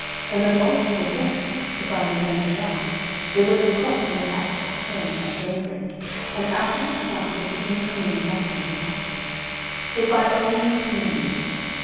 And amongst the rest, if I remember right, there was a cock in the act of crowing at daybreak, and out of its mouth was seen coming a motto in Tuscan: IF I ONLY SEE YOU.